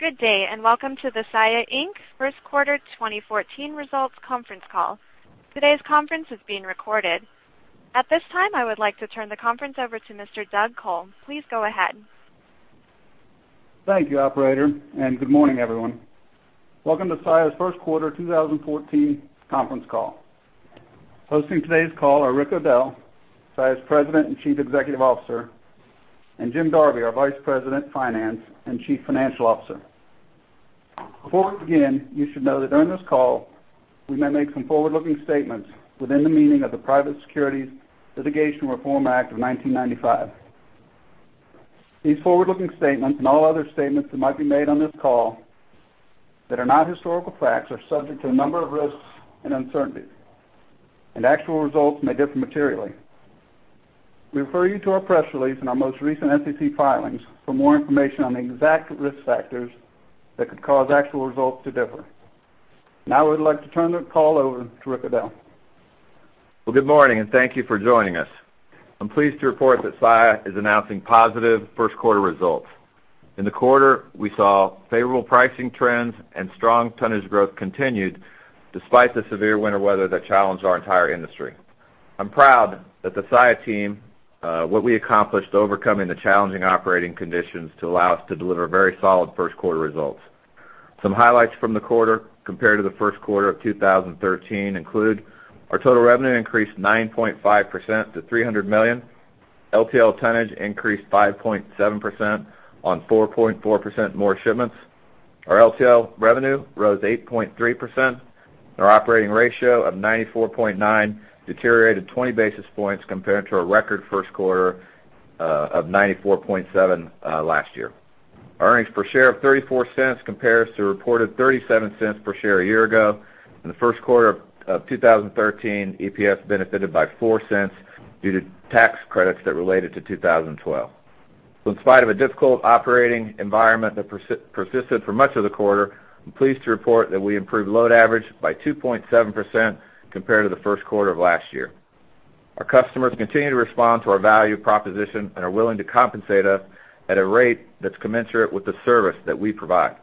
Good day, and welcome to the Saia Inc. First Quarter 2014 Results Conference Call. Today's conference is being recorded. At this time, I would like to turn the conference over to Mr. Doug Col. Please go ahead. Thank you, operator, and good morning, everyone. Welcome to Saia's First Quarter 2014 conference call. Hosting today's call are Rick O'Dell, Saia's President and Chief Executive Officer, and Jim Darby, our Vice President, Finance and Chief Financial Officer. Before we begin, you should know that during this call, we may make some forward-looking statements within the meaning of the Private Securities Litigation Reform Act of 1995. These forward-looking statements, and all other statements that might be made on this call that are not historical facts, are subject to a number of risks and uncertainties, and actual results may differ materially. We refer you to our press release and our most recent SEC filings for more information on the exact risk factors that could cause actual results to differ. Now I would like to turn the call over to Rick O'Dell. Well, good morning, and thank you for joining us. I'm pleased to report that Saia is announcing positive first quarter results. In the quarter, we saw favorable pricing trends and strong tonnage growth continued despite the severe winter weather that challenged our entire industry. I'm proud that the Saia team, what we accomplished, overcoming the challenging operating conditions to allow us to deliver very solid first quarter results. Some highlights from the quarter compared to the first quarter of 2013 include: Our total revenue increased 9.5% to $300 million. LTL tonnage increased 5.7% on 4.4% more shipments. Our LTL revenue rose 8.3%, and our operating ratio of 94.9 deteriorated 20 basis points compared to a record first quarter, of 94.7, last year. Earnings per share of $0.34 compares to reported $0.37 per share a year ago, and the first quarter of 2013, EPS benefited by $0.04 due to tax credits that related to 2012. So in spite of a difficult operating environment that persisted for much of the quarter, I'm pleased to report that we improved load average by 2.7% compared to the first quarter of last year. Our customers continue to respond to our value proposition and are willing to compensate us at a rate that's commensurate with the service that we provide.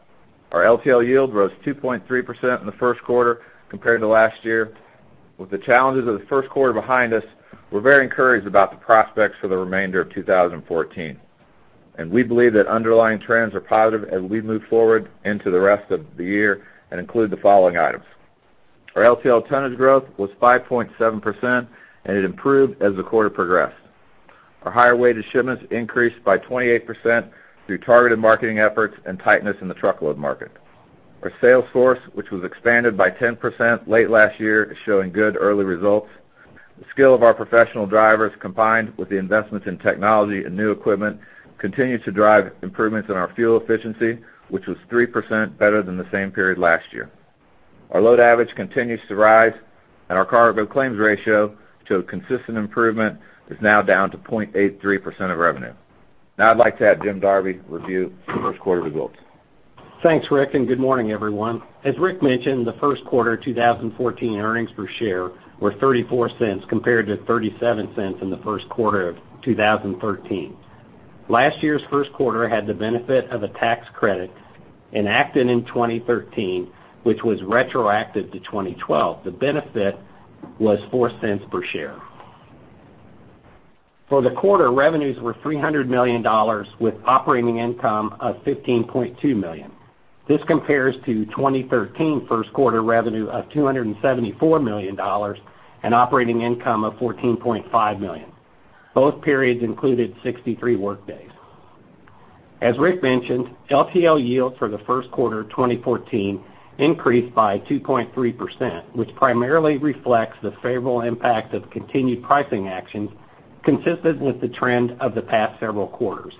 Our LTL yield rose 2.3% in the first quarter compared to last year. With the challenges of the first quarter behind us, we're very encouraged about the prospects for the remainder of 2014, and we believe that underlying trends are positive as we move forward into the rest of the year and include the following items. Our LTL tonnage growth was 5.7%, and it improved as the quarter progressed. Our higher weighted shipments increased by 28% through targeted marketing efforts and tightness in the truckload market. Our sales force, which was expanded by 10% late last year, is showing good early results. The skill of our professional drivers, combined with the investments in technology and new equipment, continued to drive improvements in our fuel efficiency, which was 3% better than the same period last year. Our Load Average continues to rise, and our cargo claims ratio, to a consistent improvement, is now down to 0.83% of revenue. Now I'd like to have Jim Darby review the first quarter results. Thanks, Rick, and good morning, everyone. As Rick mentioned, the first quarter, 2014, earnings per share were $0.34, compared to $0.37 in the first quarter of 2013. Last year's first quarter had the benefit of a tax credit enacted in 2013, which was retroactive to 2012. The benefit was $0.04 per share. For the quarter, revenues were $300 million, with operating income of $15.2 million. This compares to 2013 first quarter revenue of $274 million and operating income of $14.5 million. Both periods included 63 workdays. As Rick mentioned, LTL yields for the first quarter of 2014 increased by 2.3%, which primarily reflects the favorable impact of continued pricing actions consistent with the trend of the past several quarters.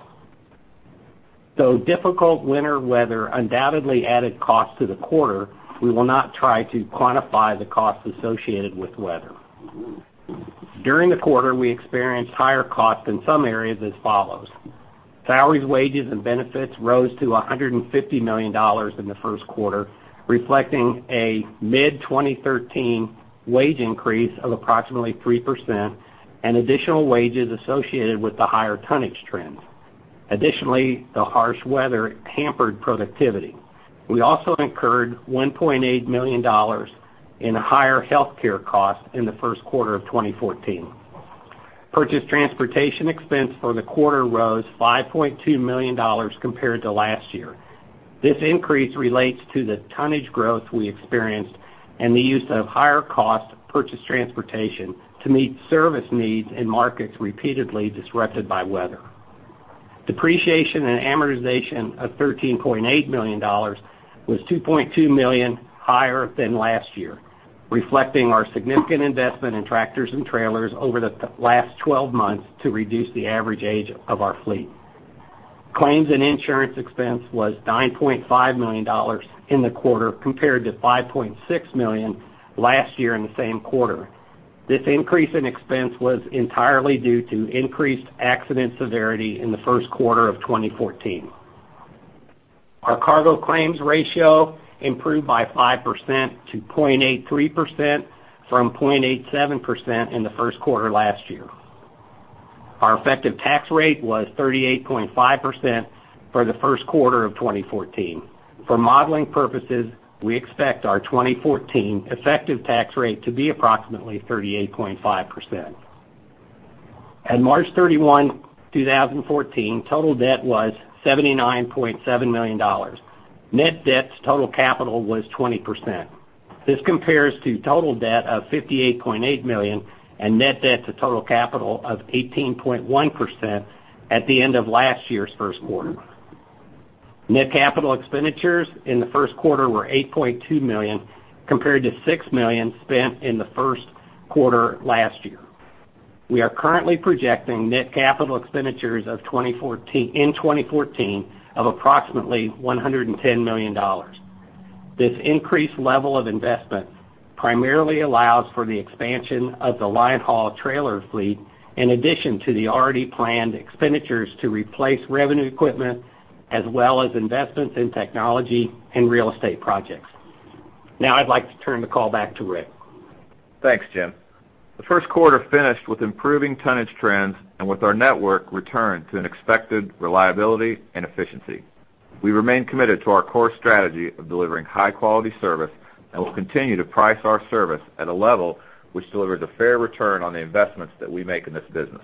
Though difficult winter weather undoubtedly added cost to the quarter, we will not try to quantify the costs associated with weather. During the quarter, we experienced higher costs in some areas as follows: Salaries, wages, and benefits rose to $150 million in the first quarter, reflecting a mid-2013 wage increase of approximately 3% and additional wages associated with the higher tonnage trends. Additionally, the harsh weather hampered productivity. We also incurred $1.8 million in higher healthcare costs in the first quarter of 2014. Purchased transportation expense for the quarter rose $5.2 million compared to last year. This increase relates to the tonnage growth we experienced and the use of higher-cost purchased transportation to meet service needs in markets repeatedly disrupted by weather. Depreciation and amortization of $13.8 million was $2.2 million higher than last year, reflecting our significant investment in tractors and trailers over the last twelve months to reduce the average age of our fleet. Claims and insurance expense was $9.5 million in the quarter, compared to $5.6 million last year in the same quarter. This increase in expense was entirely due to increased accident severity in the first quarter of 2014. Our cargo claims ratio improved by 5% to 0.83% from 0.87% in the first quarter last year. Our effective tax rate was 38.5% for the first quarter of 2014. For modeling purposes, we expect our 2014 effective tax rate to be approximately 38.5%. At March 31, 2014, total debt was $79.7 million. Net debt to total capital was 20%. This compares to total debt of $58.8 million and net debt to total capital of 18.1% at the end of last year's first quarter. Net capital expenditures in the first quarter were $8.2 million, compared to $6 million spent in the first quarter last year. We are currently projecting net capital expenditures of 2014—in 2014 of approximately $110 million. This increased level of investment primarily allows for the expansion of the linehaul trailer fleet, in addition to the already planned expenditures to replace revenue equipment, as well as investments in technology and real estate projects. Now, I'd like to turn the call back to Rick. Thanks, Jim. The first quarter finished with improving tonnage trends and with our network returned to an expected reliability and efficiency. We remain committed to our core strategy of delivering high-quality service and will continue to price our service at a level which delivers a fair return on the investments that we make in this business.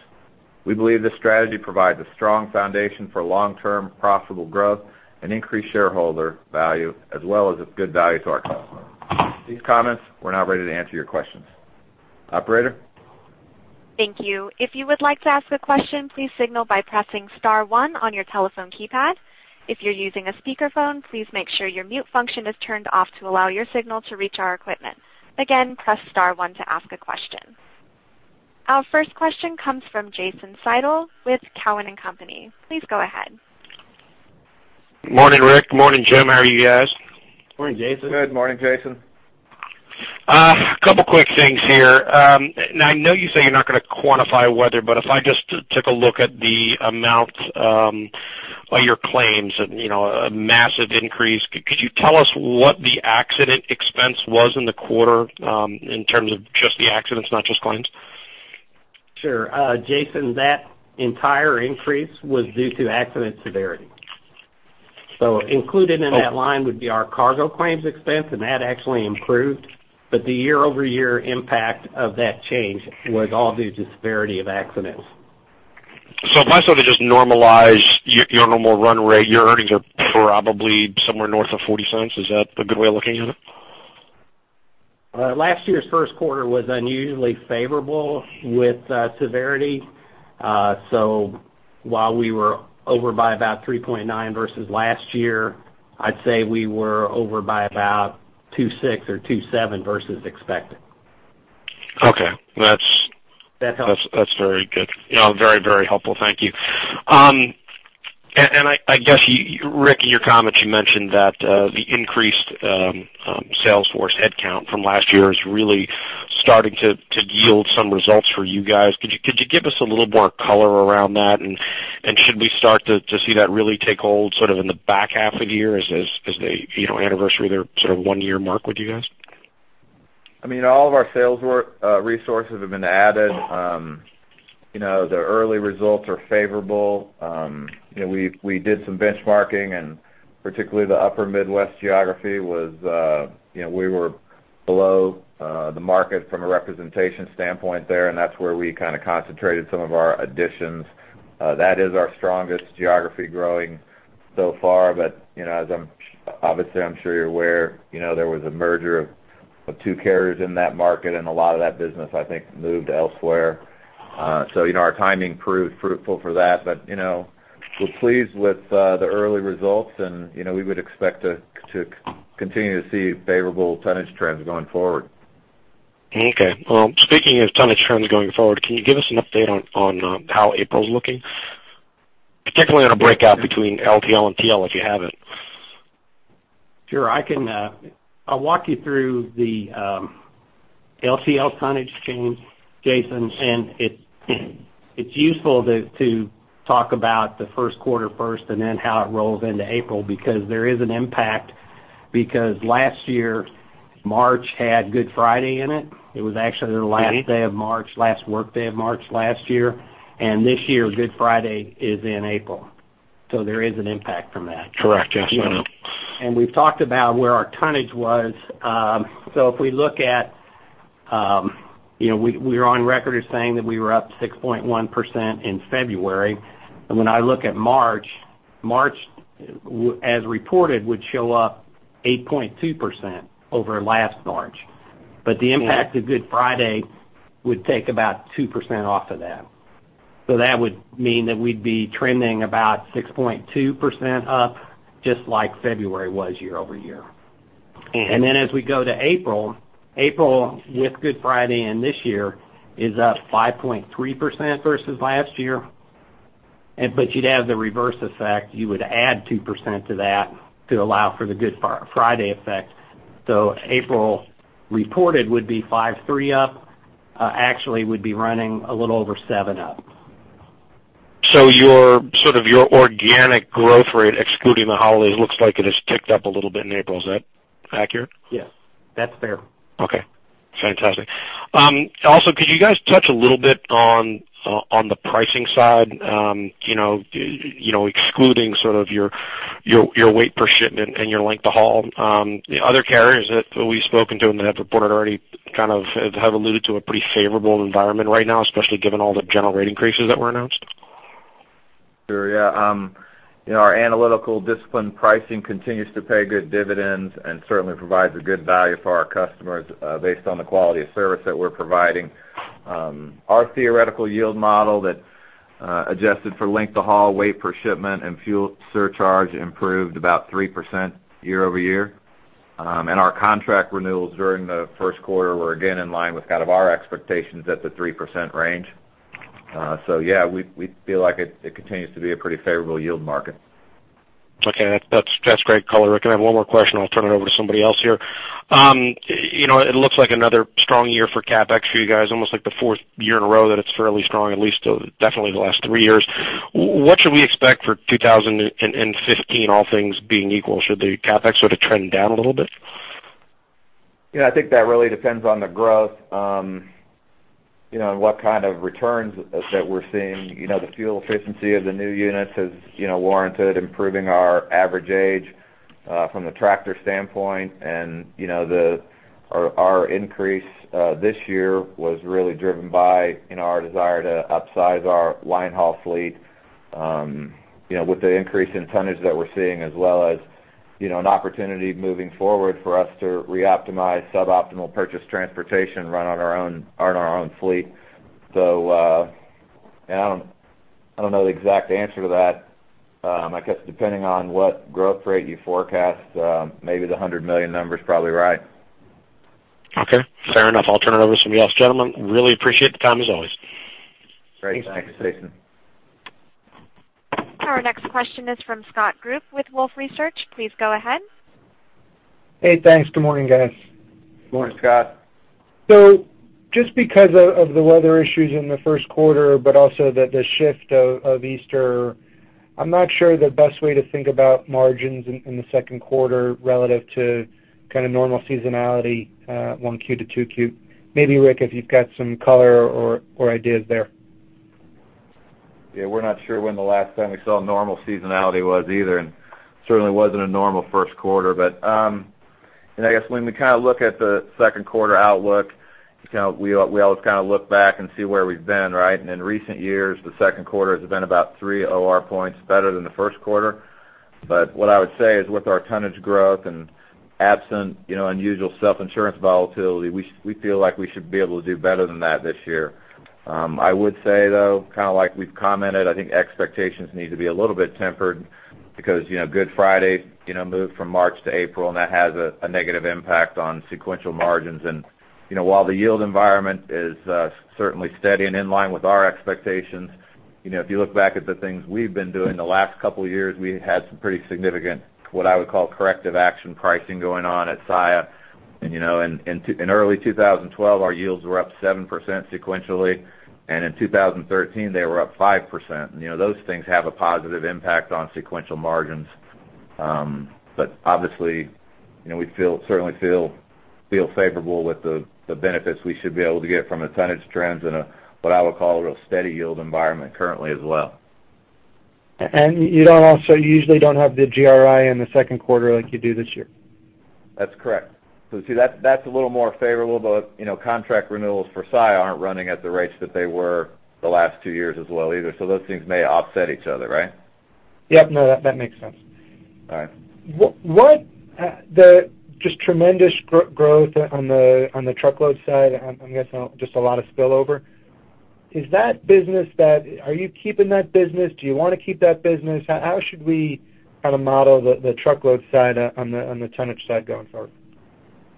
We believe this strategy provides a strong foundation for long-term profitable growth and increased shareholder value, as well as a good value to our customers. With these comments, we're now ready to answer your questions. Operator? Thank you. If you would like to ask a question, please signal by pressing star one on your telephone keypad. If you're using a speakerphone, please make sure your mute function is turned off to allow your signal to reach our equipment. Again, press star one to ask a question. Our first question comes from Jason Seidl with Cowen and Company. Please go ahead. Morning, Rick. Morning, Jim. How are you guys? Morning, Jason. Good morning, Jason. A couple of quick things here. Now, I know you say you're not going to quantify weather, but if I just took a look at the amount of your claims and, you know, a massive increase, could you tell us what the accident expense was in the quarter, in terms of just the accidents, not just claims? Sure. Jason, that entire increase was due to accident severity. So included in that line would be our cargo claims expense, and that actually improved. But the year-over-year impact of that change was all due to severity of accidents. So if I sort of just normalize your normal run rate, your earnings are probably somewhere north of $0.40. Is that a good way of looking at it? Last year's first quarter was unusually favorable with severity. So while we were over by about 3.9 versus last year, I'd say we were over by about 2.6 or 2.7 versus expected. Okay, that's- That helps. That's, that's very good. You know, very, very helpful. Thank you. And, and I, I guess you, Rick, in your comments, you mentioned that, the increased, sales force headcount from last year is really starting to, to yield some results for you guys. Could you, could you give us a little more color around that? And, and should we start to, to see that really take hold sort of in the back half of the year as, as, as they, you know, anniversary their sort of one-year mark with you guys? I mean, all of our sales work, resources have been added. You know, the early results are favorable. You know, we did some benchmarking, and particularly the upper Midwest geography was, you know, we were below, the market from a representation standpoint there, and that's where we kind of concentrated some of our additions. That is our strongest geography growing so far. But, you know, as I'm obviously, I'm sure you're aware, you know, there was a merger of two carriers in that market, and a lot of that business, I think, moved elsewhere. So, you know, our timing proved fruitful for that. But, you know, we're pleased with, the early results and, you know, we would expect to continue to see favorable tonnage trends going forward. Okay, well, speaking of tonnage trends going forward, can you give us an update on how April's looking, particularly on a breakout between LTL and TL, if you have it? Sure, I can. I'll walk you through the LTL tonnage change, Jason, and it's useful to talk about the first quarter first and then how it rolls into April, because there is an impact, because last year, March had Good Friday in it. It was actually the last day of March, last workday of March last year, and this year, Good Friday is in April. So there is an impact from that. Correct. Yes, I know. We've talked about where our tonnage was. So if we look at, you know, we're on record as saying that we were up 6.1% in February. When I look at March as reported, it would show up 8.2% over last March. But the impact of Good Friday would take about 2% off of that. So that would mean that we'd be trending about 6.2% up, just like February was year-over-year. Then as we go to April, April with Good Friday in this year is up 5.3% versus last year. But you'd have the reverse effect. You would add 2% to that to allow for the Good Friday effect. So April reported would be 5.3 up, actually would be running a little over 7 up.... So, sort of, your organic growth rate, excluding the holidays, looks like it has ticked up a little bit in April. Is that accurate? Yes, that's fair. Okay, fantastic. Also, could you guys touch a little bit on, on the pricing side? You know, excluding sort of your, your, your weight per shipment and your length of haul. The other carriers that we've spoken to, and that have reported already, kind of, have, have alluded to a pretty favorable environment right now, especially given all the general rate increases that were announced. Sure, yeah. You know, our analytical discipline pricing continues to pay good dividends and certainly provides a good value for our customers, based on the quality of service that we're providing. Our theoretical yield model that adjusted for length of haul, weight per shipment, and fuel surcharge, improved about 3% year-over-year. Our contract renewals during the first quarter were again in line with kind of our expectations at the 3% range. Yeah, we feel like it continues to be a pretty favorable yield market. Okay. That's, that's great color, Rick. I have one more question, I'll turn it over to somebody else here. You know, it looks like another strong year for CapEx for you guys, almost like the fourth year in a row that it's fairly strong, at least, definitely the last three years. What should we expect for 2015, all things being equal? Should the CapEx sort of trend down a little bit? Yeah, I think that really depends on the growth, you know, and what kind of returns that we're seeing. You know, the fuel efficiency of the new units has, you know, warranted improving our average age from the tractor standpoint. And, you know, our increase this year was really driven by, you know, our desire to upsize our linehaul fleet, you know, with the increase in tonnage that we're seeing, as well as, you know, an opportunity moving forward for us to reoptimize suboptimal purchased transportation run on our own, on our own fleet. So, and I don't know the exact answer to that. I guess, depending on what growth rate you forecast, maybe the $100 million number is probably right. Okay, fair enough. I'll turn it over to somebody else. Gentlemen, really appreciate the time, as always. Great. Thanks, Jason. Our next question is from Scott Group with Wolfe Research. Please go ahead. Hey, thanks. Good morning, guys. Good morning, Scott. So just because of the weather issues in the first quarter, but also the shift of Easter, I'm not sure the best way to think about margins in the second quarter relative to kind of normal seasonality, 1Q to 2Q. Maybe, Rick, if you've got some color or ideas there. Yeah, we're not sure when the last time we saw normal seasonality was either, and certainly wasn't a normal first quarter. But, and I guess when we kind of look at the second quarter outlook, you know, we always kind of look back and see where we've been, right? And in recent years, the second quarter has been about three OR points better than the first quarter. But what I would say is, with our tonnage growth and absent, you know, unusual self-insurance volatility, we feel like we should be able to do better than that this year. I would say, though, kind of like we've commented, I think expectations need to be a little bit tempered because, you know, Good Friday, you know, moved from March to April, and that has a negative impact on sequential margins. You know, while the yield environment is certainly steady and in line with our expectations, you know, if you look back at the things we've been doing the last couple of years, we had some pretty significant, what I would call, corrective action pricing going on at Saia. And, you know, in early 2012, our yields were up 7% sequentially, and in 2013, they were up 5%. And, you know, those things have a positive impact on sequential margins. But obviously, you know, we certainly feel favorable with the benefits we should be able to get from the tonnage trends in a, what I would call, a real steady yield environment currently as well. You usually don't have the GRI in the second quarter like you do this year? That's correct. So see, that's a little more favorable, but, you know, contract renewals for Saia aren't running at the rates that they were the last two years as well either. So those things may offset each other, right? Yep, no, that, that makes sense. All right. What, the just tremendous growth on the, on the truckload side, I'm guessing just a lot of spillover. Is that business that... Are you keeping that business? Do you want to keep that business? How should we kind of model the, the truckload side on the, on the tonnage side going forward?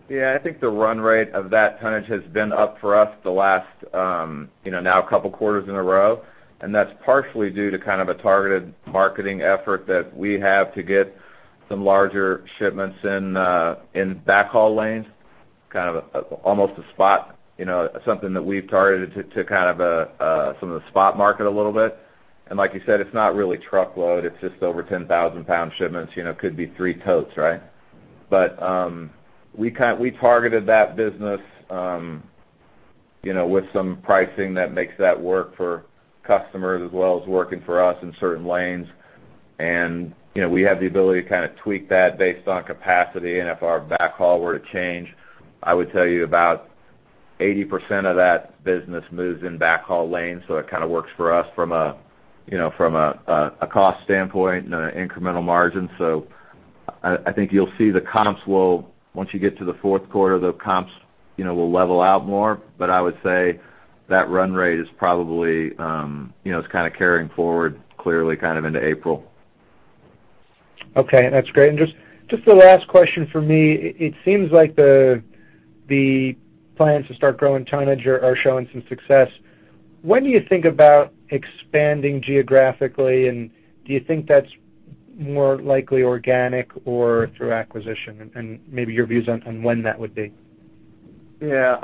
Yeah, I think the run rate of that tonnage has been up for us the last, you know, now a couple quarters in a row. And that's partially due to kind of a targeted marketing effort that we have to get some larger shipments in, in backhaul lanes, kind of almost a spot, you know, something that we've targeted to, to kind of some of the spot market a little bit. And like you said, it's not really truckload, it's just over 10,000-pound shipments. You know, it could be three totes, right? But we targeted that business, you know, with some pricing that makes that work for customers as well as working for us in certain lanes. And, you know, we have the ability to kind of tweak that based on capacity. If our backhaul were to change, I would tell you about 80% of that business moves in backhaul lanes, so it kind of works for us from a, you know, from a cost standpoint and an incremental margin. So I think you'll see the comps will, once you get to the fourth quarter, the comps, you know, will level out more. But I would say that run rate is probably, you know, it's kind of carrying forward clearly kind of into April. Okay, that's great. And just the last question for me. It seems like the plans to start growing tonnage are showing some success. When do you think about expanding geographically, and do you think that's more likely organic or through acquisition? And maybe your views on when that would be.... Yeah,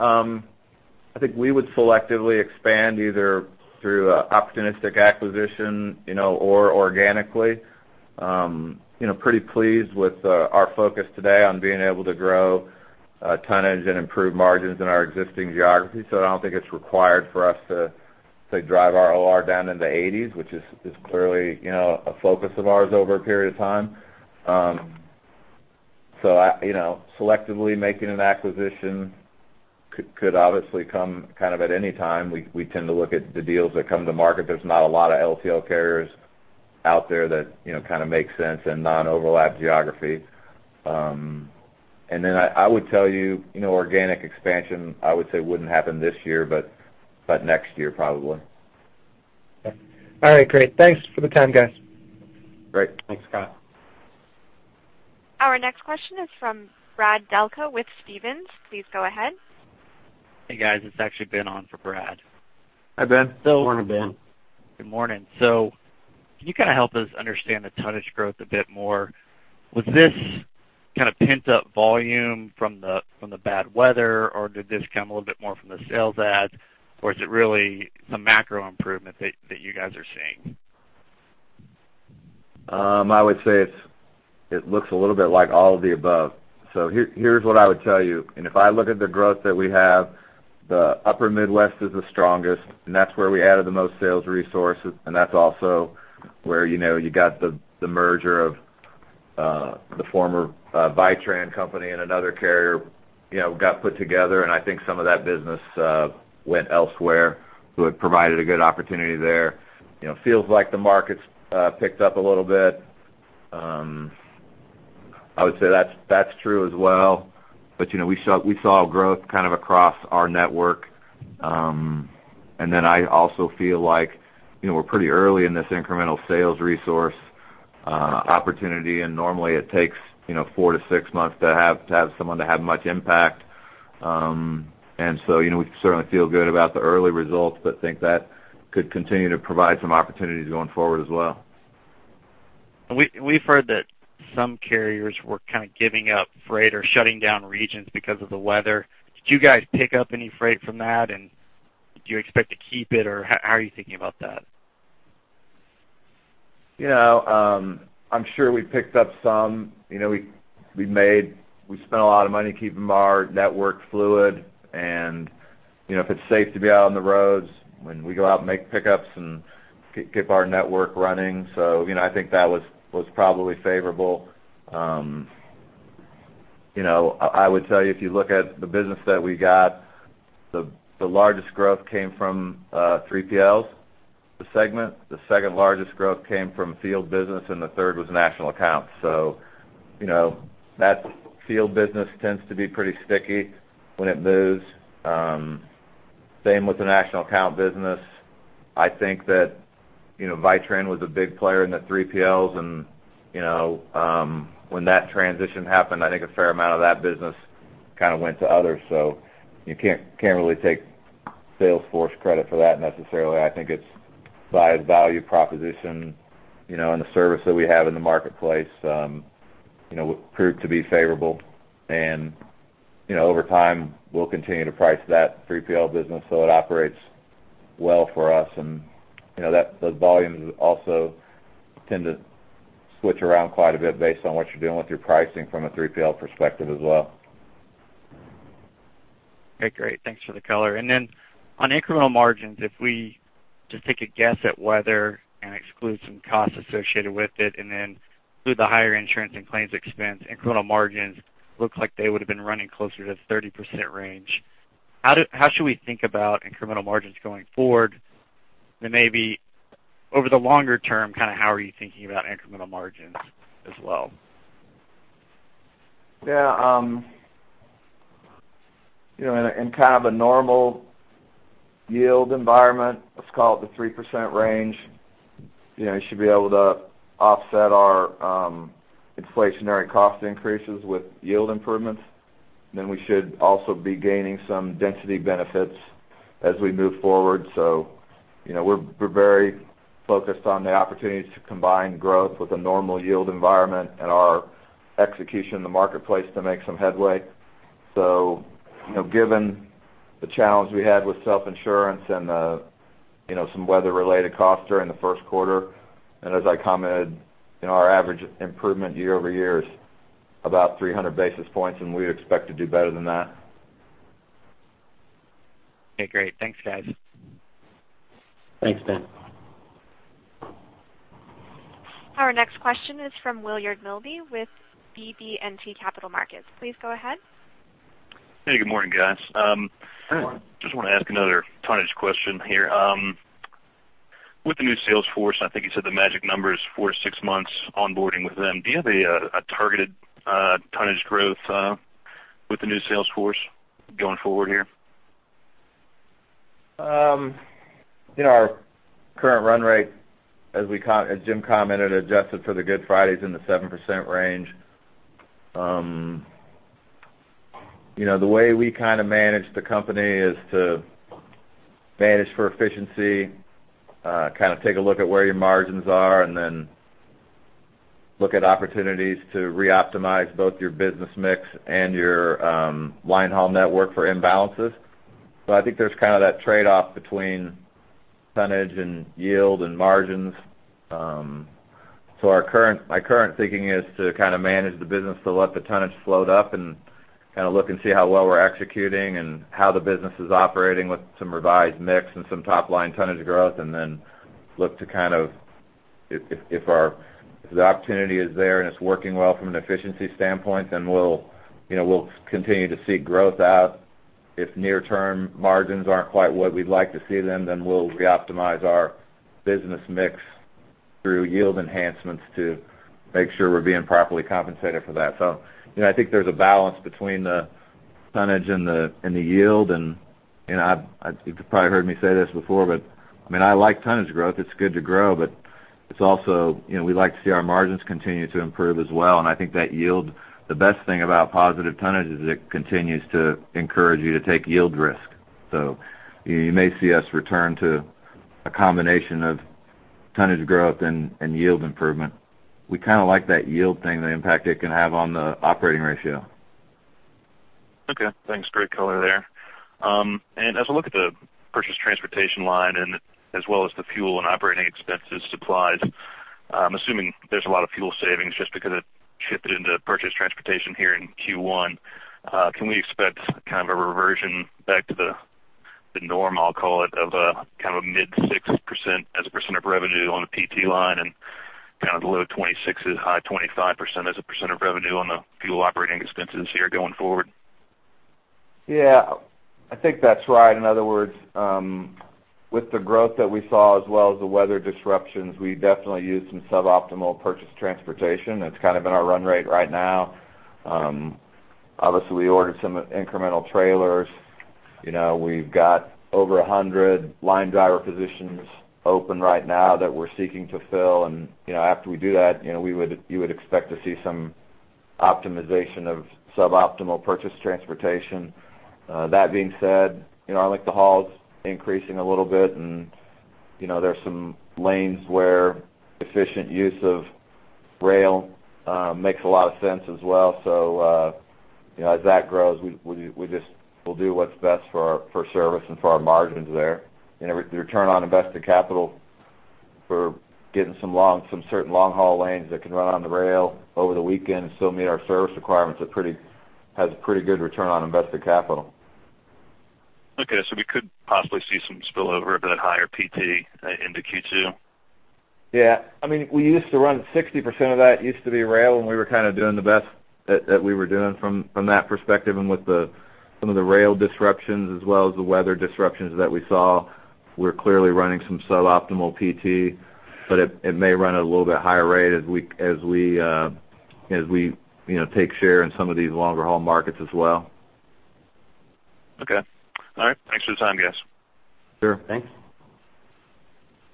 I think we would selectively expand either through, opportunistic acquisition, you know, or organically. You know, pretty pleased with, our focus today on being able to grow, tonnage and improve margins in our existing geography. So I don't think it's required for us to, to drive our OR down into eighties, which is, clearly, you know, a focus of ours over a period of time. So I, you know, selectively making an acquisition could, obviously come kind of at any time. We, tend to look at the deals that come to market. There's not a lot of LTL carriers out there that, you know, kind of make sense and non-overlap geography. And then I, would tell you, you know, organic expansion, I would say, wouldn't happen this year, but, next year, probably. All right, great. Thanks for the time, guys. Great. Thanks, Scott. Our next question is from Brad Delco with Stephens. Please go ahead. Hey, guys. It's actually Ben on for Brad. Hi, Ben. Morning, Ben. Good morning. So can you kind of help us understand the tonnage growth a bit more? Was this kind of pent-up volume from the bad weather, or did this come a little bit more from the sales adds, or is it really some macro improvement that you guys are seeing? I would say it's, it looks a little bit like all of the above. So here, here's what I would tell you, and if I look at the growth that we have, the upper Midwest is the strongest, and that's where we added the most sales resources. And that's also where, you know, you got the merger of the former Vitran company and another carrier, you know, got put together, and I think some of that business went elsewhere. So it provided a good opportunity there. You know, feels like the market's picked up a little bit. I would say that's true as well. But, you know, we saw growth kind of across our network. And then I also feel like, you know, we're pretty early in this incremental sales resource opportunity, and normally it takes, you know, four to six months to have, to have someone to have much impact. And so, you know, we certainly feel good about the early results, but think that could continue to provide some opportunities going forward as well. We, we've heard that some carriers were kind of giving up freight or shutting down regions because of the weather. Did you guys pick up any freight from that, and do you expect to keep it, or how, how are you thinking about that? You know, I'm sure we picked up some. You know, we made, we spent a lot of money keeping our network fluid, and, you know, if it's safe to be out on the roads, when we go out and make pickups and get our network running. So, you know, I think that was probably favorable. You know, I would tell you, if you look at the business that we got, the largest growth came from 3PLs, the segment. The second largest growth came from field business, and the third was national accounts. So, you know, that field business tends to be pretty sticky when it moves. Same with the national account business. I think that, you know, Vitran was a big player in the 3PLs, and, you know, when that transition happened, I think a fair amount of that business kind of went to others, so you can't, can't really take sales force credit for that necessarily. I think it's by value proposition, you know, and the service that we have in the marketplace, you know, proved to be favorable. And, you know, over time, we'll continue to price that 3PL business so it operates well for us. And, you know, that, those volumes also tend to switch around quite a bit based on what you're doing with your pricing from a 3PL perspective as well. Okay, great. Thanks for the color. And then on incremental margins, if we just take a guess at weather and exclude some costs associated with it, and then include the higher insurance and claims expense, incremental margins look like they would have been running closer to 30% range. How should we think about incremental margins going forward? Then maybe over the longer term, kind of how are you thinking about incremental margins as well? Yeah, you know, in kind of a normal yield environment, let's call it the 3% range, you know, we should be able to offset our inflationary cost increases with yield improvements. Then we should also be gaining some density benefits as we move forward. So you know, we're very focused on the opportunities to combine growth with a normal yield environment and our execution in the marketplace to make some headway. So, you know, given the challenge we had with self-insurance and the, you know, some weather-related costs during the first quarter, and as I commented, you know, our average improvement year over year is about 300 basis points, and we expect to do better than that. Okay, great. Thanks, guys. Thanks, Ben. Our next question is from Willard Milby with BB&T Capital Markets. Please go ahead. Hey, good morning, guys. Good morning. Just want to ask another tonnage question here. With the new sales force, I think you said the magic number is 4-6 months onboarding with them. Do you have a targeted tonnage growth with the new sales force going forward here? You know, our current run rate, as Jim commented, adjusted for the Good Fridays in the 7% range. You know, the way we kind of manage the company is to manage for efficiency, kind of take a look at where your margins are, and then look at opportunities to reoptimize both your business mix and your line haul network for imbalances. So I think there's kind of that trade-off between tonnage and yield and margins. So, our current, my current thinking is to kind of manage the business, to let the tonnage float up and kind of look and see how well we're executing and how the business is operating with some revised mix and some top-line tonnage growth, and then look to kind of, if the opportunity is there and it's working well from an efficiency standpoint, then we'll, you know, we'll continue to seek growth out. If near-term margins aren't quite what we'd like to see them, then we'll reoptimize our business mix through yield enhancements to make sure we're being properly compensated for that. So, you know, I think there's a balance between the tonnage and the, and the yield. And, you know, you've probably heard me say this before, but, I mean, I like tonnage growth. It's good to grow, but it's also, you know, we like to see our margins continue to improve as well. And I think that yield, the best thing about positive tonnage is it continues to encourage you to take yield risk. So you may see us return to a combination of tonnage growth and yield improvement. We kind of like that yield thing, the impact it can have on the operating ratio. Okay, thanks. Great color there. And as I look at the purchased transportation line and as well as the fuel and operating expenses, supplies, I'm assuming there's a lot of fuel savings just because it shifted into purchased transportation here in Q1. Can we expect kind of a reversion back to the norm, I'll call it, of kind of a mid-6% as a percent of revenue on the PT line and kind of the low 26s, high 25% as a percent of revenue on the fuel operating expenses here going forward? Yeah, I think that's right. In other words, with the growth that we saw, as well as the weather disruptions, we definitely used some suboptimal purchased transportation. That's kind of in our run rate right now. Obviously, we ordered some incremental trailers. You know, we've got over 100 line driver positions open right now that we're seeking to fill. And, you know, after we do that, you would expect to see some optimization of suboptimal purchased transportation. That being said, you know, I like the hauls increasing a little bit, and, you know, there are some lanes where efficient use of rail makes a lot of sense as well. So, you know, as that grows, we'll do what's best for our service and for our margins there. The return on invested capital for getting certain long-haul lanes that can run on the rail over the weekend and still meet our service requirements has a pretty good return on invested capital. Okay, so we could possibly see some spillover of that higher PT into Q2? Yeah. I mean, we used to run 60% of that, used to be rail, and we were kind of doing the best that we were doing from that perspective. And with some of the rail disruptions as well as the weather disruptions that we saw, we're clearly running some suboptimal PT, but it may run at a little bit higher rate as we, you know, take share in some of these longer-haul markets as well. Okay. All right. Thanks for the time, guys. Sure. Thanks.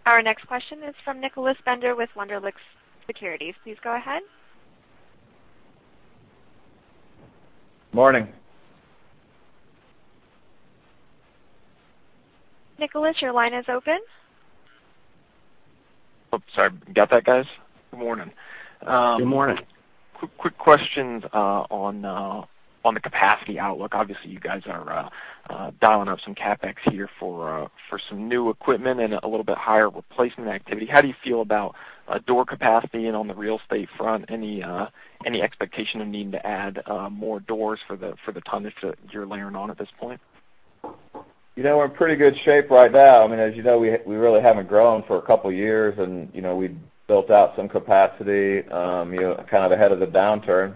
Our next question is from Nicholas Bender with Wunderlich Securities. Please go ahead. Morning. Nicholas, your line is open. Oops, sorry. Got that, guys? Good morning. Good morning. Quick, quick questions on the capacity outlook. Obviously, you guys are dialing up some CapEx here for some new equipment and a little bit higher replacement activity. How do you feel about door capacity and on the real estate front? Any expectation of needing to add more doors for the tonnage that you're layering on at this point? You know, we're in pretty good shape right now. I mean, as you know, we really haven't grown for a couple of years, and, you know, we've built out some capacity, you know, kind of ahead of the downturn.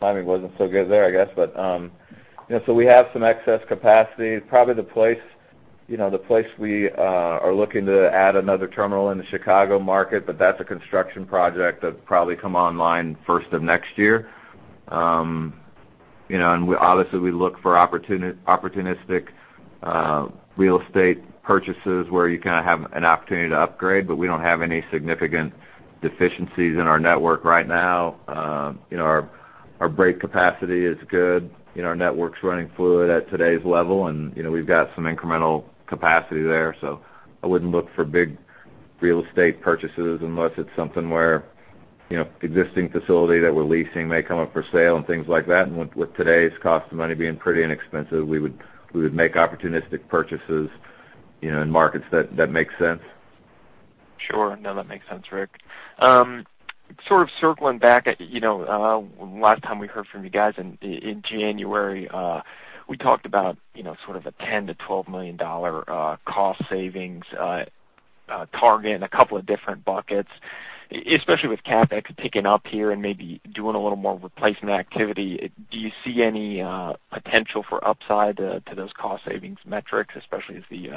Timing wasn't so good there, I guess. But, you know, so we have some excess capacity. Probably the place we are looking to add another terminal in the Chicago market, but that's a construction project that'll probably come online first of next year. You know, and we obviously look for opportunistic real estate purchases where you kind of have an opportunity to upgrade, but we don't have any significant deficiencies in our network right now. You know, our break capacity is good. You know, our network's running fluid at today's level, and, you know, we've got some incremental capacity there. So I wouldn't look for big real estate purchases unless it's something where, you know, existing facility that we're leasing may come up for sale and things like that. With today's cost of money being pretty inexpensive, we would make opportunistic purchases, you know, in markets that make sense. Sure. No, that makes sense, Rick. Sort of circling back, you know, last time we heard from you guys in January, we talked about, you know, sort of a $10 million-$12 million cost savings target in a couple of different buckets, especially with CapEx picking up here and maybe doing a little more replacement activity. Do you see any potential for upside to those cost savings metrics, especially as the,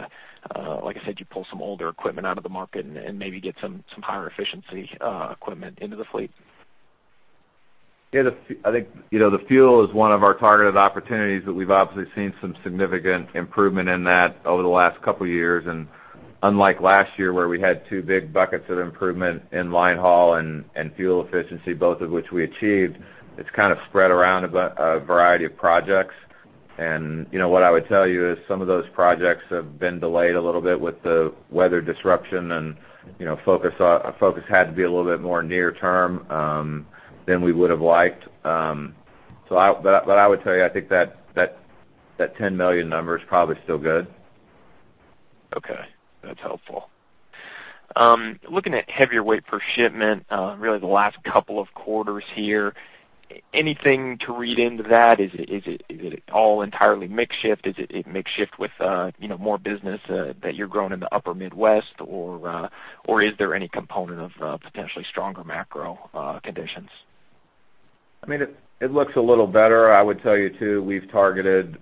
like I said, you pull some older equipment out of the market and maybe get some higher efficiency equipment into the fleet? Yeah, I think, you know, the fuel is one of our targeted opportunities that we've obviously seen some significant improvement in that over the last couple of years. And unlike last year, where we had two big buckets of improvement in line haul and fuel efficiency, both of which we achieved, it's kind of spread around a variety of projects. And, you know, what I would tell you is some of those projects have been delayed a little bit with the weather disruption, and, you know, focus, focus had to be a little bit more near term than we would have liked. So but, but I would tell you, I think that, that, that $10 million number is probably still good. Okay, that's helpful. Looking at heavier weight per shipment, really the last couple of quarters here, anything to read into that? Is it all entirely mix shift? Is it mix shift with, you know, more business that you're growing in the upper Midwest? Or, or is there any component of potentially stronger macro conditions? I mean, it looks a little better. I would tell you, too, we've targeted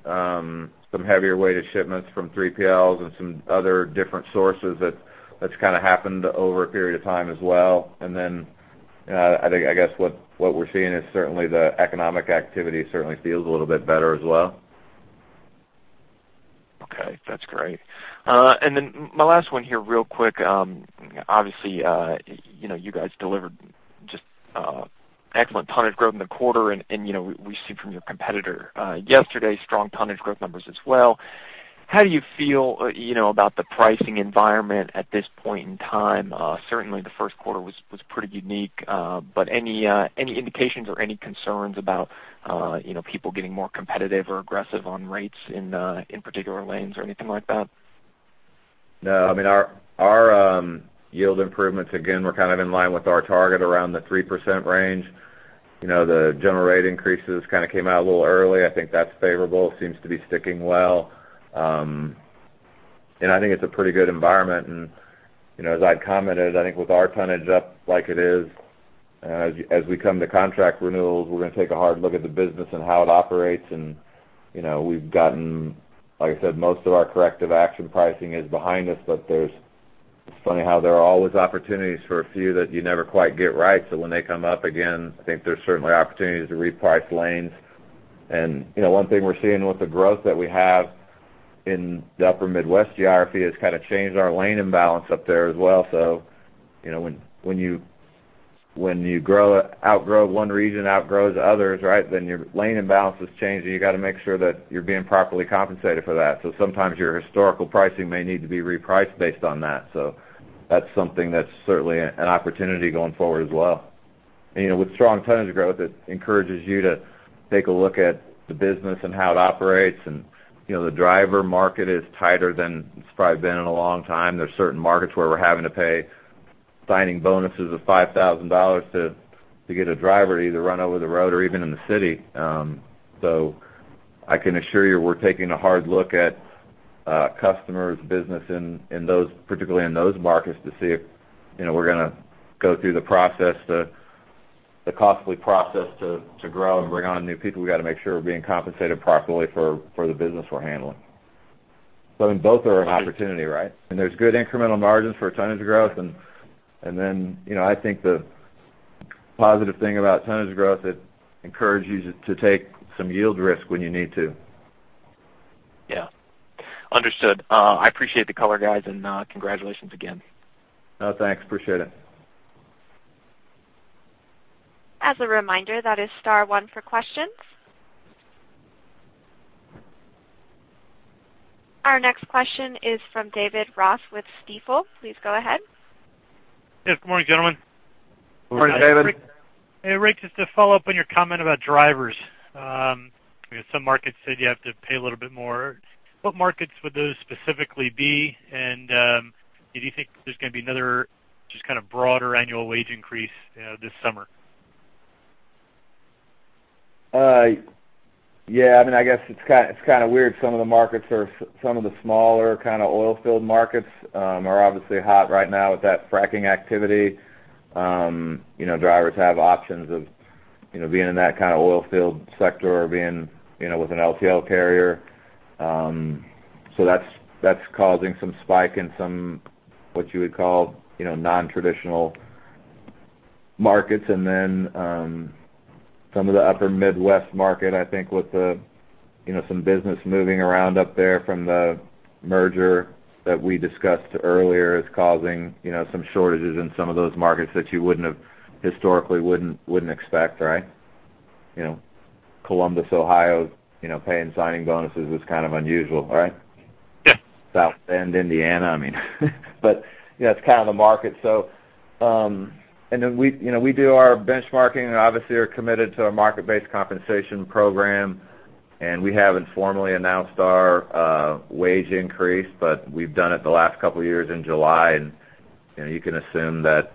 some heavier-weighted shipments from 3PLs and some other different sources that that's kind of happened over a period of time as well. And then, I think, I guess, what we're seeing is certainly the economic activity certainly feels a little bit better as well. Okay, that's great. Then my last one here, real quick. Obviously, you know, you guys delivered just excellent tonnage growth in the quarter, and you know, we see from your competitor yesterday, strong tonnage growth numbers as well. How do you feel, you know, about the pricing environment at this point in time? Certainly, the first quarter was pretty unique, but any indications or any concerns about you know, people getting more competitive or aggressive on rates in particular lanes, or anything like that? No. I mean, our yield improvements, again, were kind of in line with our target around the 3% range. You know, the general rate increases kind of came out a little early. I think that's favorable, seems to be sticking well. And, I think it's a pretty good environment. And, you know, as I'd commented, I think with our tonnage up like it is, as we come to contract renewals, we're going to take a hard look at the business and how it operates. And, you know, we've gotten, like I said, most of our corrective action pricing is behind us, but there's... It's funny how there are always opportunities for a few that you never quite get right. So when they come up again, I think there's certainly opportunities to reprice lanes. And, you know, one thing we're seeing with the growth that we have in the upper Midwest geography, it's kind of changed our lane imbalance up there as well. So you know, when you grow and outgrow one region, outgrow the others, right? Then your lane imbalance has changed, and you got to make sure that you're being properly compensated for that. So sometimes your historical pricing may need to be repriced based on that. So that's something that's certainly an opportunity going forward as well. And, you know, with strong tonnage growth, it encourages you to take a look at the business and how it operates. And, you know, the driver market is tighter than it's probably been in a long time. There are certain markets where we're having to pay signing bonuses of $5,000 to get a driver to either run over the road or even in the city. So I can assure you, we're taking a hard look at customers' business in those, particularly in those markets, to see if, you know, we're gonna go through the process, the costly process to grow and bring on new people. We got to make sure we're being compensated properly for the business we're handling. So I mean, both are an opportunity, right? And there's good incremental margins for tonnage growth. And then, you know, I think the positive thing about tonnage growth, it encourages you to take some yield risk when you need to. Yeah. Understood. I appreciate the color, guys, and congratulations again. Oh, thanks. Appreciate it. As a reminder, that is star one for questions. Our next question is from David Ross with Stifel. Please go ahead. Yes, good morning, gentlemen. Good morning, David. Hey, Rick, just to follow up on your comment about drivers. Some markets said you have to pay a little bit more. What markets would those specifically be? And, do you think there's going to be another just kind of broader annual wage increase, this summer? Yeah, I mean, I guess it's kind of weird. Some of the markets are, some of the smaller kind of oil field markets are obviously hot right now with that fracking activity. You know, drivers have options of, you know, being in that kind of oil field sector or being, you know, with an LTL carrier. So that's, that's causing some spike in some, what you would call, you know, non-traditional markets. And then, some of the upper Midwest market, I think, with the, you know, some business moving around up there from the merger that we discussed earlier, is causing, you know, some shortages in some of those markets that you wouldn't have, historically wouldn't expect, right? You know, Columbus, Ohio, you know, paying signing bonuses is kind of unusual, right? Yes. South Bend, Indiana, I mean, but, you know, that's kind of the market. So, and then we, you know, we do our benchmarking and obviously are committed to a market-based compensation program, and we haven't formally announced our wage increase, but we've done it the last couple of years in July. And, you know, you can assume that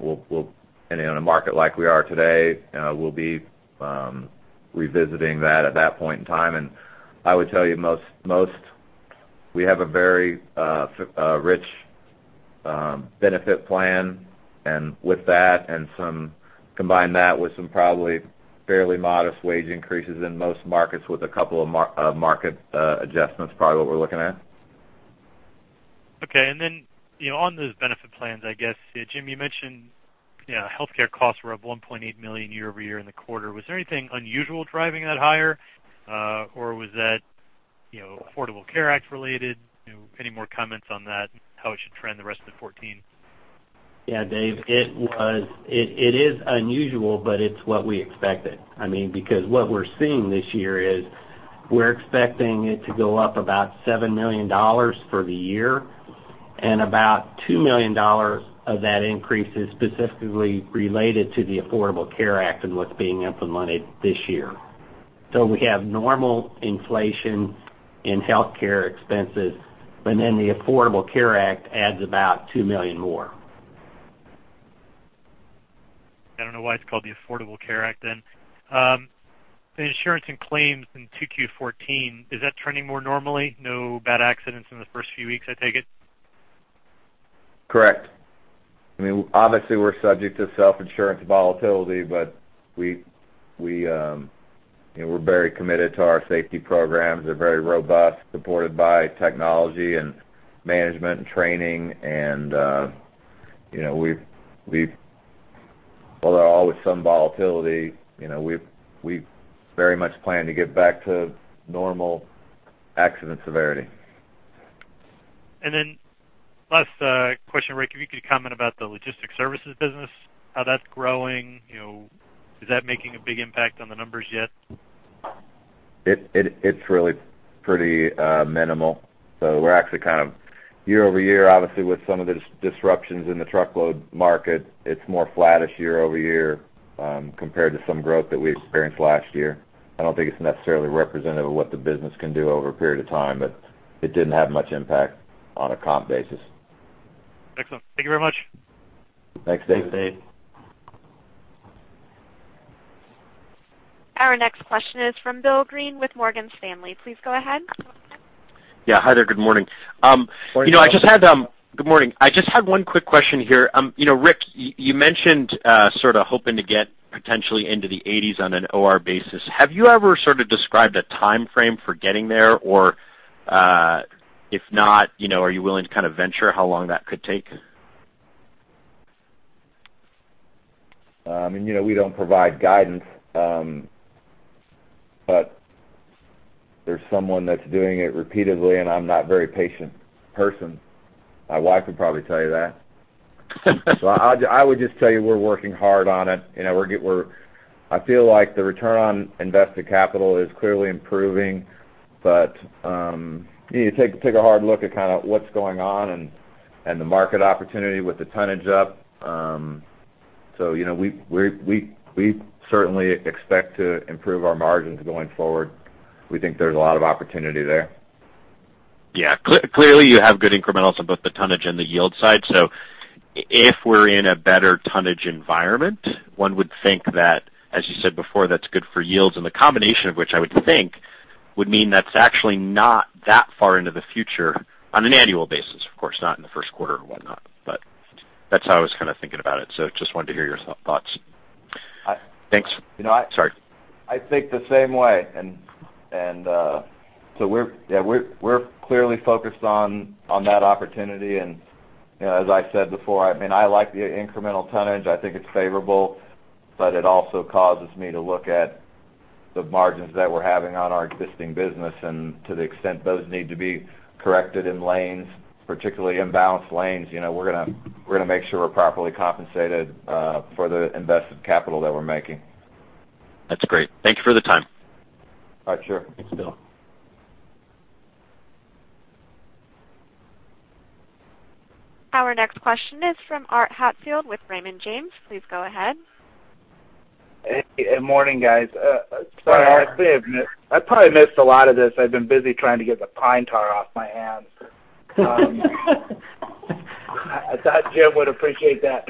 we'll and in a market like we are today, we'll be revisiting that at that point in time. And I would tell you, most. We have a very rich benefit plan, and with that, combine that with some probably fairly modest wage increases in most markets, with a couple of market adjustments, probably what we're looking at. Okay. And then, you know, on those benefit plans, I guess, Jim, you mentioned, you know, healthcare costs were up $1.8 million year-over-year in the quarter. Was there anything unusual driving that higher, or was that, you know, Affordable Care Act related? You know, any more comments on that, and how it should trend the rest of the 2014?... Yeah, Dave, it was, it is unusual, but it's what we expected. I mean, because what we're seeing this year is we're expecting it to go up about $7 million for the year, and about $2 million of that increase is specifically related to the Affordable Care Act and what's being implemented this year. So we have normal inflation in healthcare expenses, but then the Affordable Care Act adds about $2 million more. I don't know why it's called the Affordable Care Act then. The insurance and claims in 2Q 2014, is that trending more normally? No bad accidents in the first few weeks, I take it? Correct. I mean, obviously, we're subject to self-insurance volatility, but we, you know, we're very committed to our safety programs. They're very robust, supported by technology and management and training, and, you know, there's always some volatility. You know, we very much plan to get back to normal accident severity. And then, last question, Rick. If you could comment about the logistics services business, how that's growing. You know, is that making a big impact on the numbers yet? It's really pretty minimal. So we're actually kind of year-over-year, obviously, with some of the disruptions in the truckload market, it's more flattish year-over-year, compared to some growth that we experienced last year. I don't think it's necessarily representative of what the business can do over a period of time, but it didn't have much impact on a comp basis. Excellent. Thank you very much. Thanks, Dave. Thanks, Dave. Our next question is from Bill Greene with Morgan Stanley. Please go ahead. Yeah. Hi there. Good morning. You know, I just had one quick question here. You know, Rick, you mentioned sort of hoping to get potentially into the eighties on an OR basis. Have you ever sort of described a timeframe for getting there? Or, if not, you know, are you willing to kind of venture how long that could take? You know, we don't provide guidance, but there's someone that's doing it repeatedly, and I'm not very patient person. My wife would probably tell you that. So I would just tell you, we're working hard on it, you know. I feel like the return on invested capital is clearly improving, but you need to take a hard look at kind of what's going on and the market opportunity with the tonnage up. So, you know, we certainly expect to improve our margins going forward. We think there's a lot of opportunity there. Yeah. Clearly, you have good incrementals on both the tonnage and the yield side. So if we're in a better tonnage environment, one would think that, as you said before, that's good for yields, and the combination of which I would think would mean that's actually not that far into the future on an annual basis, of course, not in the first quarter or whatnot, but that's how I was kind of thinking about it. So just wanted to hear your thoughts. I- Thanks. You know, Sorry. I think the same way. And so we're, yeah, we're clearly focused on that opportunity. And, you know, as I said before, I mean, I like the incremental tonnage. I think it's favorable, but it also causes me to look at the margins that we're having on our existing business. And to the extent those need to be corrected in lanes, particularly imbalanced lanes, you know, we're gonna make sure we're properly compensated for the invested capital that we're making. That's great. Thank you for the time. All right. Sure. Thanks, Bill. Our next question is from Art Hatfield with Raymond James. Please go ahead. Hey, good morning, guys. Sorry, I may have missed... I probably missed a lot of this. I've been busy trying to get the pine tar off my hands. I thought Jim would appreciate that.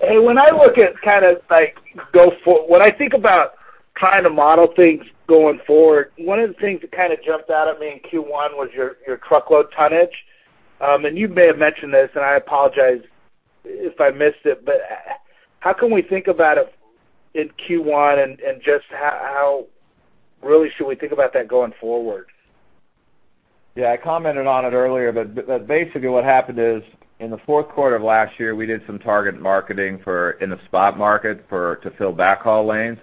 Hey, when I look at kind of like, go for—when I think about trying to model things going forward, one of the things that kind of jumped out at me in Q1 was your truckload tonnage. And you may have mentioned this, and I apologize if I missed it, but how can we think about it in Q1, and just how really should we think about that going forward? Yeah, I commented on it earlier, but basically, what happened is, in the fourth quarter of last year, we did some targeted marketing for, in the spot market for, to fill backhaul lanes. Got it. And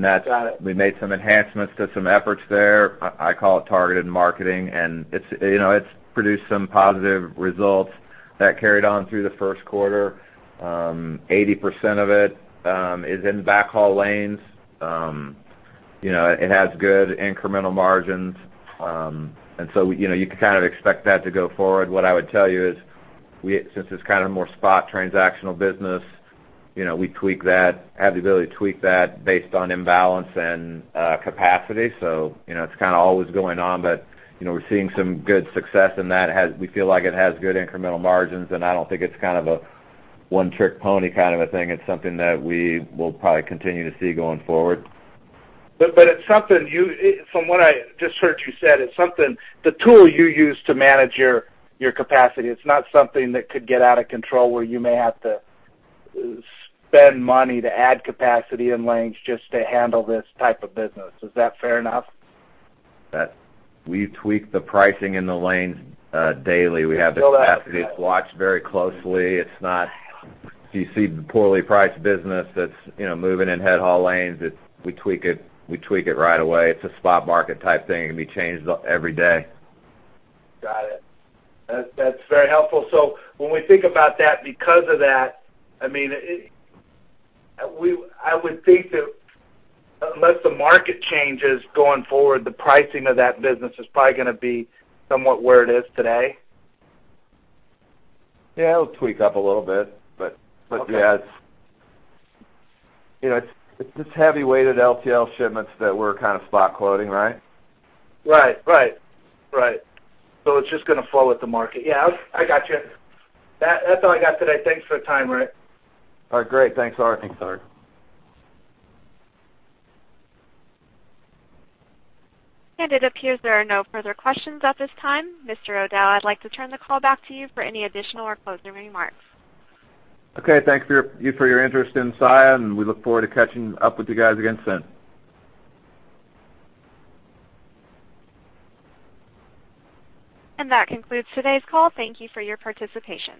that's we made some enhancements to some efforts there. I call it targeted marketing, and it's, you know, it's produced some positive results that carried on through the first quarter. 80% of it is in backhaul lanes. You know, it has good incremental margins. And so, you know, you can kind of expect that to go forward. What I would tell you is, since it's kind of more spot transactional business, you know, we tweak that, have the ability to tweak that based on imbalance and capacity. So, you know, it's kind of always going on, but, you know, we're seeing some good success in that. We feel like it has good incremental margins, and I don't think it's kind of a one-trick pony kind of a thing. It's something that we will probably continue to see going forward. But it's something you... From what I just heard you said, it's something, the tool you use to manage your, your capacity, it's not something that could get out of control, where you may have to spend money to add capacity in lanes just to handle this type of business. Is that fair enough? That we tweak the pricing in the lanes, daily. We fill that- We have the capacity. It's watched very closely. It's not, if you see the poorly priced business that's, you know, moving in headhaul lanes, it's, we tweak it, we tweak it right away. It's a spot market type thing, it can be changed every day. Got it. That's, that's very helpful. So when we think about that, because of that, I mean, I would think that unless the market changes going forward, the pricing of that business is probably gonna be somewhat where it is today? Yeah, it'll tweak up a little bit, but- Okay. Yeah, you know, it's heavyweight LTL shipments that we're kind of spot quoting, right? Right. Right. Right. So it's just gonna flow with the market. Yeah, I, I got you. That, that's all I got today. Thanks for the time, Rick. All right, great. Thanks, Art. Thanks, Art. It appears there are no further questions at this time. Mr. O'Dell, I'd like to turn the call back to you for any additional or closing remarks. Okay. Thank you for your interest in Saia, and we look forward to catching up with you guys again soon. That concludes today's call. Thank you for your participation.